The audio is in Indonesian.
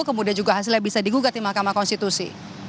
kemudian juga hasilnya bisa digugat di mahkamah konstitusi